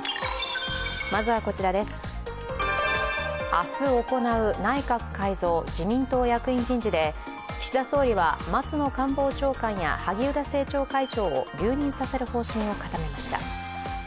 明日行う内閣改造・自民党役員人事で岸田総理は松野官房長官や萩生田政調会長を留任させる方針を固めました。